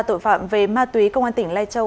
tội phạm về ma túy công an tỉnh lai châu